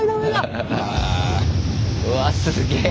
うわすげえ。